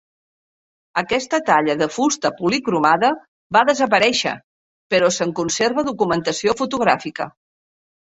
Aquesta talla de fusta policromada va desaparèixer, però se'n conserva documentació fotogràfica.